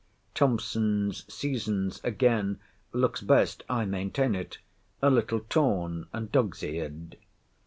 Thomson's Seasons, again, looks best (I maintain it) a little torn, and dog's eared.